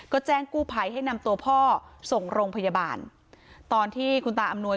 ก็แจ้งกู้ภัยให้นำตัวพ่อส่งโรงพยาบาลตอนที่คุณตาอำนวย